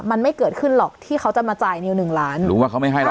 มันไม่เกิดขึ้นหรอกที่เขาจะมาจ่ายนิวหนึ่งล้านหรือว่าเขาไม่ให้แล้ว